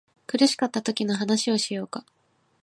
苦しかったときの話をしようか